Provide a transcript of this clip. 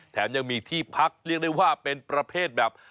แถมยังมีที่พักเรียกได้ว่าเป็นประเภทแบบ